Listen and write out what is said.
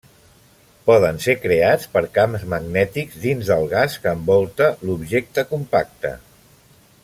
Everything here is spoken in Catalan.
Poden ser creats per camps magnètics dins del gas que envolta l'objecte compacte.